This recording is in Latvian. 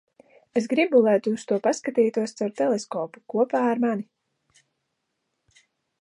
Es gribu, lai tu uz to paskatītos caur teleskopu - kopā ar mani.